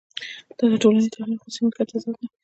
دا د ټولنیز تولید او خصوصي مالکیت تضاد دی